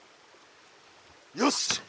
よし！